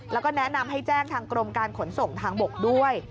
แล้วก็แนะนำให้แจ้งทางกรมการขนส่งทางบกด้วย